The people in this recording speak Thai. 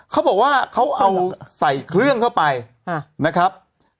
เขาบอกว่าเขาเอาใส่เครื่องเข้าไปนะครับ